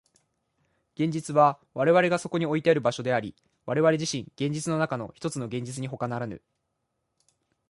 現実は我々がそこにおいてある場所であり、我々自身、現実の中のひとつの現実にほかならぬ。